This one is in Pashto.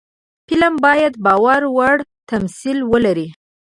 فلم باید باور وړ تمثیل ولري